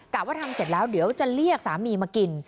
ว่าทำเสร็จแล้วเดี๋ยวจะเรียกสามีมากิน